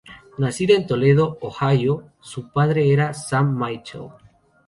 Nacida en Toledo, Ohio, su padre era Sam Mitchell.